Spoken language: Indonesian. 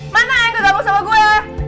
mana yang ketemu sama gue